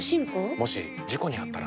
もし事故にあったら？